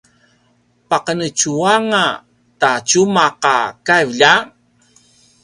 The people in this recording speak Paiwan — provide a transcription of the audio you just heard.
paqenetju anga ta tjumaq a kaiv lja!